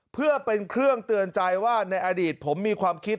เพื่อเป็นเครื่องเตือนใจว่าในอดีตผมมีความคิด